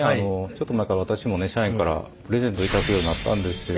ちょっと前から私もね社員からプレゼントを頂くようになったんですよ。